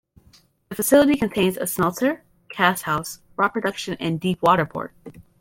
The facility contains a smelter, cast house, rod production and deep-water port.